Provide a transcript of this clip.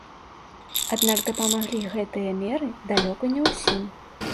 Аднак дапамаглі гэтыя меры далёка не ўсім.